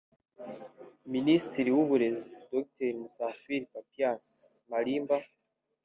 Minisitiri w’Uburezi Dr Musafiri Papias Malimba